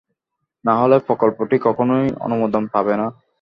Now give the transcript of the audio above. নাহলে, প্রকল্পটি কখনই অনুমোদন পাবে না।